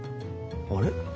あれ？